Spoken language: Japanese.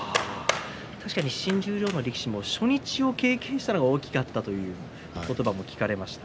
確かに新十両の力士は初日を経験したのが大きかったという話がありました。